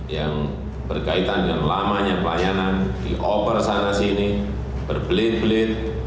yang berkaitan dengan lamanya pelayanan di over sana sini berbelit belit